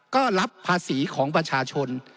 ก็รับภาษีของประชาชน